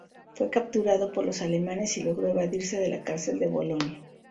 Fue capturado por los alemanes y logró evadirse de la cárcel de Bolonia.